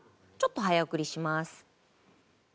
ちょっと早送りします。